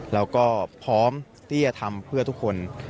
เราก็พร้อมที่จะทำเพื่อทุกคน